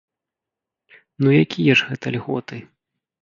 Ну якія ж гэта льготы?